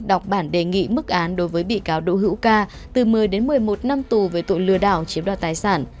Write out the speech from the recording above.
đọc bản đề nghị mức án đối với bị cáo đỗ hữu ca từ một mươi đến một mươi một năm tù về tội lừa đảo chiếm đoạt tài sản